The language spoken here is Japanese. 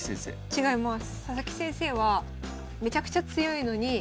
違います。